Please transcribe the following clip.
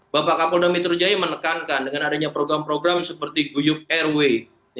bapak kapol demi terjaya menekankan dengan adanya program program seperti guyuk airway